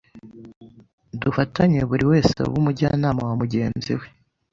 dufatanye buri wese abe umujyanama wa mugenzi we.